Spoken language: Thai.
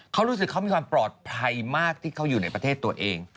เขารู้สึกเขามีความปลอดภัยมากที่เขาอยู่ในประเทศตัวเอง